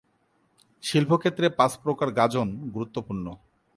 শিল্প ক্ষেত্রে পাঁচ প্রকার গাজন গুরুত্বপূর্ণ-